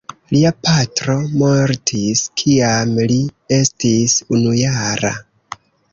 Lia patro mortis kiam li estis unujara.